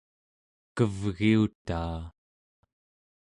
kevgiutaa